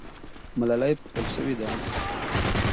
ملالۍ پوښتل سوې ده.